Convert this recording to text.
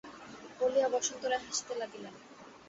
বলিয়া বসন্ত রায় হাসিতে লাগিলেন।